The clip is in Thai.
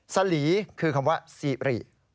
สลีคือคำว่าสิริ